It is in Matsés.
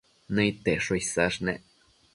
Nëid tesho isash nec